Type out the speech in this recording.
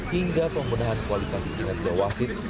hingga pembendahan kualitas kerja wasid